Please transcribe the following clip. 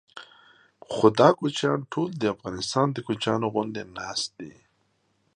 خو دا کوچیان ټول د افغانستان د کوچیانو غوندې ناست دي.